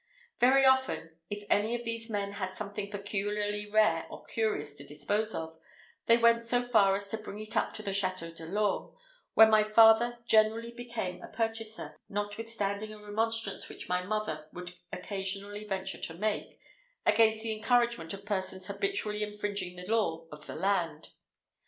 Very often, if any of these men had something peculiarly rare or curious to dispose of, they went so far as to bring it up to the Château de l'Orme, where my father generally became a purchaser, notwithstanding a remonstrance which my mother would occasionally venture to make against the encouragement of persons habitually infringing the law of the land.